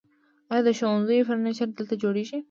آیا د ښوونځیو فرنیچر دلته جوړیږي؟